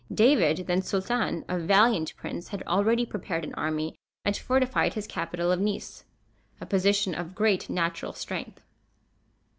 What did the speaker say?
David, then Sultan, a valiant prince, had already prepared an army, and fortified his capital of Nice, a position of great natural strength.